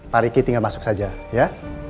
pariki tinggal masuk saja ya